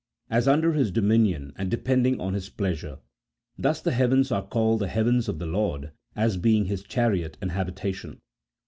As under His dominion, and depending on His pleasure ; thus the heavens are called the heavens of the Lord, as being His chariot and habitation.